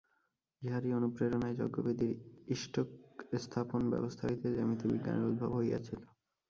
ইহারই অনুপ্রেরণায় যজ্ঞবেদীর ইষ্টকস্থাপন-ব্যবস্থা হইতে জ্যামিতি-বিজ্ঞানের উদ্ভব হইয়াছিল।